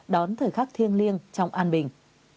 đón thời khắc thiêng liêng trong an bình